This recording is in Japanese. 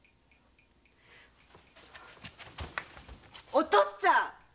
お父っつぁん！